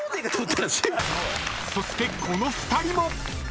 ［そしてこの２人も］